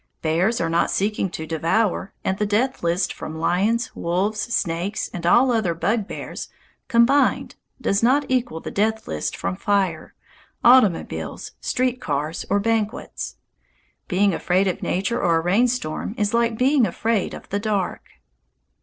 Bears are not seeking to devour, and the death list from lions, wolves, snakes, and all other bugbears combined does not equal the death list from fire, automobiles, street cars, or banquets. Being afraid of nature or a rainstorm is like being afraid of the dark.